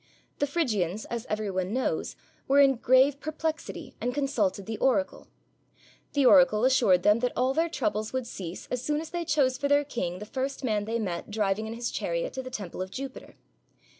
The Phrygians, as everybody knows, were in grave perplexity, and consulted the oracle. The oracle assured them that all their troubles would cease as soon as they chose for their king the first man they met driving in his chariot to the temple of Jupiter.